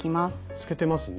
透けてますね。